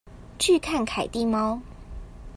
拒看凱蒂貓